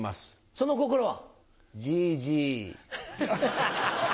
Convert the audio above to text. その心は？